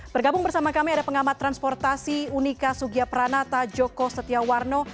bergabung bersama kami ada pengamat transportasi unika sugiya pranata joko setiawarno